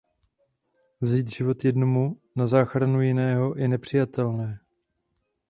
Vzít život jednomu na záchranu jiného je nepřijatelné.